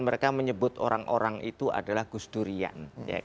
mereka menyebut orang orang itu adalah gusdurian